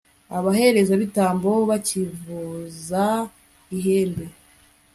abaherezabitambo bakivuza ihembe